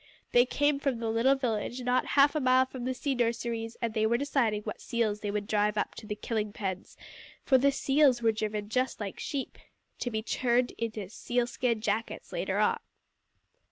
They came from the little village not half a mile from the sea nurseries, and they were deciding what seals they would drive up to the killing pens for the seals were driven just like sheep to be turned into seal skin jackets later on.